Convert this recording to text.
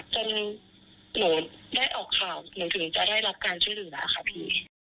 หนูได้ออกข่าวหนูถึงจะได้รับการช่วยเหลือค่ะพี่